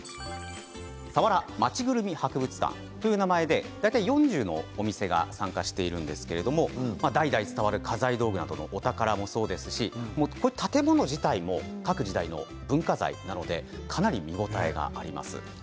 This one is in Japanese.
佐原まちぐるみ博物館という名前で大体４０のお店が参加しているんですけれども代々伝わる家財道具などのお宝もそうですし建物自体も各時代の文化財なのでかなり見応えがあります。